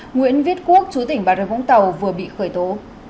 nguyễn viết quốc chú tỉnh bà rê vũng tàu vừa bị khởi tố